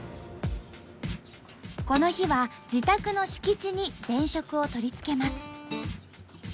この日は自宅の敷地に電飾を取り付けます。